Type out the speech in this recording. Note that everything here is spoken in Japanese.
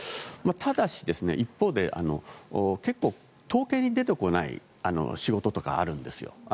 ただ、一方で統計に出てこない仕事とかあるんですよ。